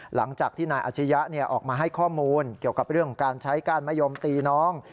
หลังจากที่นายอาชียะออกมาให้ข้อมูลเกี่ยวกับเรื่องของการใช้ก้านมะยมตีน้อง